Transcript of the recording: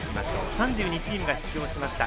３２チームが出場しました。